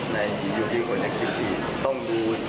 ในอยู่ห้วนนักภิกษ์อีก